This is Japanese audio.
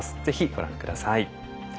ぜひご覧下さい。